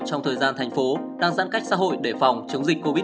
trong thời gian thành phố đang giãn cách xã hội để phòng chống dịch covid một mươi chín